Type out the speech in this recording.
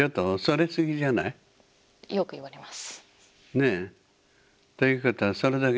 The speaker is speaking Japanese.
よく言われます。